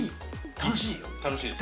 ◆楽しいですか。